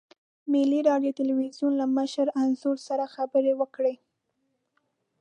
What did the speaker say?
ملي راډیو تلویزیون له مشر انځور سره خبرې وکړې.